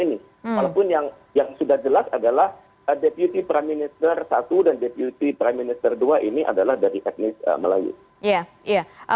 walaupun yang sudah jelas adalah deputi praminister i dan deputi praminister ii ini adalah dari etnis malaysia